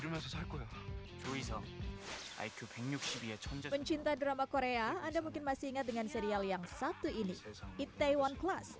pencinta drama korea anda mungkin masih ingat dengan serial yang satu ini itaewon class